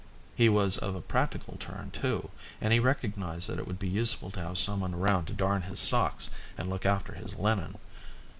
He was of a practical turn too, and he recognised that it would be useful to have someone around to darn his socks and look after his linen.